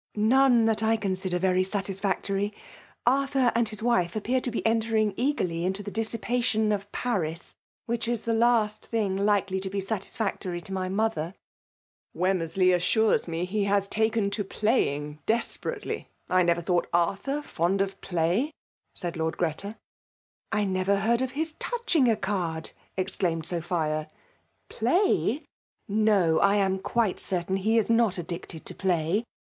'' None that I consider very satisfiustoiy. Arthur and his wife appear to be entering eagerly into the dissipation of Paos, which is FB11AL& DOmifASlOff. Ill Hie last thmg likely to be aRtisEKtoiy to 119 " Wemmeraley aanires me he haa taken to pkying desperately. I never thought Artlmr food of pli^ 7* said Lord Greta. " I never heard of his touching a card T ^mr\mmwA Sophia. " Plojff No. I am qoito eertain he la not addicted to play.